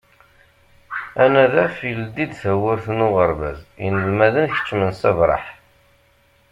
Anadaf ileddi-d tawwurt n uɣerbaz, inelmaden keččmen s abraḥ.